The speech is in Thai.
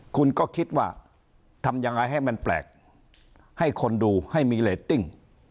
คุณก็คิดว่าทำยังไงให้มันแปลกให้คนดูให้มีเรตติ้ง